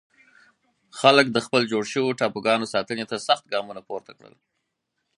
خلک د خپلو جوړ شوو ټاپوګانو ساتنې ته سخت ګامونه پورته کړل.